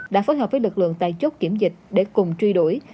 đã phối hợp với lực lượng tại chốt kiểm dịch để cùng truy đuổi